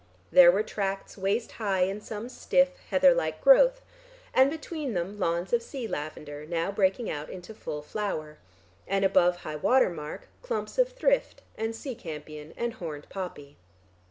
There were tracts waist high in some stiff heather like growth, and between them lawns of sea lavender now breaking out into full flower, and above high water mark clumps of thrift and sea campion and horned poppy.